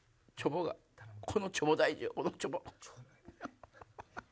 このちょぼ大事よこのちょぼ。